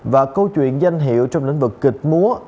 và câu chuyện danh hiệu trong lĩnh vực kịch múa